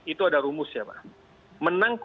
itu ada rumus ya